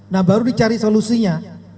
nah baru dicari solusinya